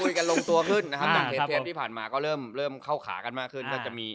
เริ่มถุยกันลงตัวขึ้นนะครับอย่างเทปที่ผ่านมาก็เริ่มเข้าขากันมากขึ้น